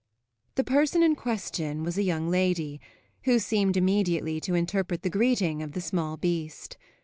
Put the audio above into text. The person in question was a young lady, who seemed immediately to interpret the greeting of the small beast.